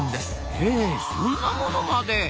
へえそんなものまで。